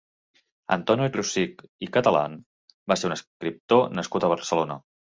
Antoni Rosich i Catalan va ser un escriptor nascut a Barcelona.